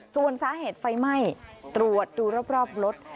ส่วนสาเหตุไฟไหม้ตรวจดูรอบรถ